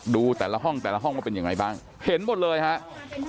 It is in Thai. ดูแต่ละห้องแต่ละห้องว่าเป็นยังไงบ้างเห็นหมดเลยครับ